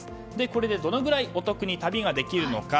これでどのぐらいお得に旅ができるのか。